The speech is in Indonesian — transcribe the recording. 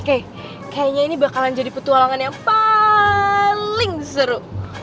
eh kayanya ini bakalan jadi petualangan yang paling seru